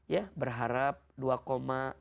ya berharap dua koma